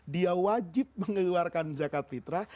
dia wajib mengeluarkan zakat fitrah